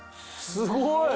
すごい！